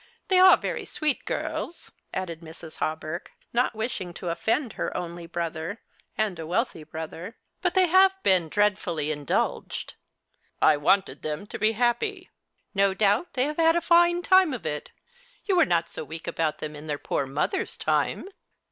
They are very sweet girls," added 3[rs. Hawberk, not wishing to offend her only brother, and a wealthy brother ;" but they have been dreadfully indulged." " I wanted them to be happy." " No doubt they have had a fine time of it. Yuu were not so weak about them in tlieir poor mother's time."